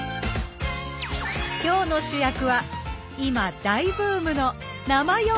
今日の主役は今大ブームの生用食パン。